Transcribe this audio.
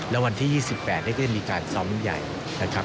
แล้ววันที่๒๘ก็จะมีการซ้อมใหญ่นะครับ